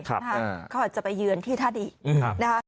เขาอาจจะไปเยือนที่ท่าดีนะคะ